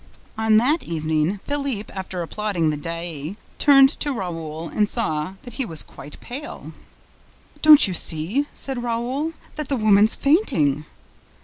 On that evening, Philippe, after applauding the Daae, turned to Raoul and saw that he was quite pale. "Don't you see," said Raoul, "that the woman's fainting?"